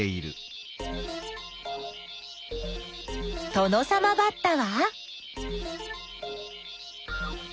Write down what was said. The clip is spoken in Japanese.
トノサマバッタは？